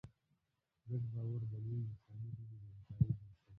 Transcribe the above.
ګډ باور د لویو انساني ډلو د همکارۍ بنسټ دی.